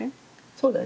そうだね。